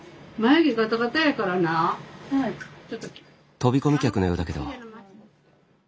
飛び込み客のようだけど。